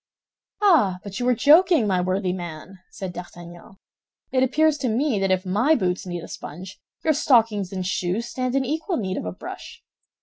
"Ah, but you are joking, my worthy man!" said D'Artagnan. "It appears to me that if my boots need a sponge, your stockings and shoes stand in equal need of a brush.